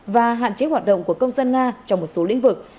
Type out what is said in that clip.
và hạn chế hoạt động của công dân nga trong một số lĩnh vực